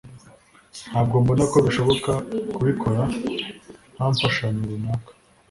ntabwo mbona ko bishoboka kubikora nta mfashanyo runaka